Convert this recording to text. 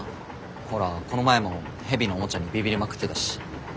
ほらこの前も蛇のおもちゃにビビりまくってたし。